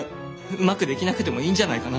うまくできなくてもいいんじゃないかな？